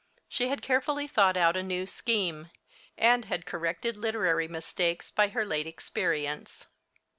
She had carefully thought out a new scheme, and had corrected literary mistakes by her late experience.